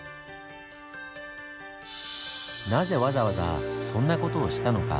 なぜわざわざそんな事をしたのか？